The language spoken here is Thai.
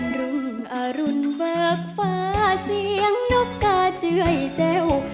รุ่งอรุณเบิกฟ้าเสียงนกกาเจื้อยแจ้ว